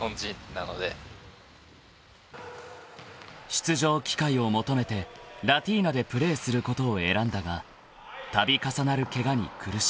［出場機会を求めてラティーナでプレーすることを選んだが度重なるケガに苦しんだ］